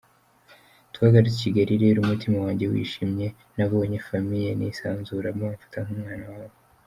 Twagarutse i Kigali rero umutima wanjye wishimye nabonye famille nisanzuramo bamfata nk’umwana wabo.